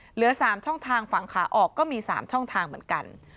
เหลือ๓ช่องทางฝั่งขาออกก็มี๓ช่องทางเหมือนกัน